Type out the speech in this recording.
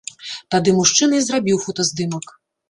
Тады мужчына і зрабіў фотаздымак.